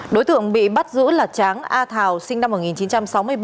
đối tượng bị bắt giữ là tráng a thào sinh năm một nghìn chín trăm sáu mươi ba